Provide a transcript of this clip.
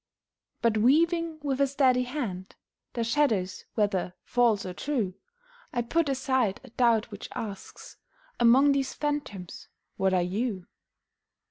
But weaving with a steady hand The shadows, whether false or true, I put aside a doubt which asks "Among these phantoms what are you?"